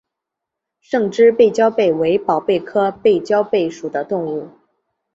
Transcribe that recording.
胜枝背焦贝为宝贝科背焦贝属的动物。